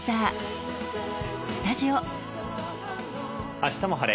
「あしたも晴れ！